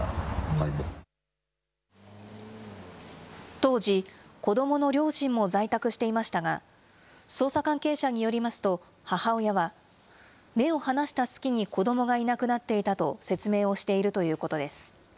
当時、子どもの両親も在宅していましたが、捜査関係者によりますと、母親は、目を離した隙に子どもがいなくなっていたと説明をしているということです。